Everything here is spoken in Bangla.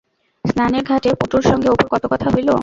স্নানের ঘাটে পটুর সঙ্গে অপুর কত কথা হইল।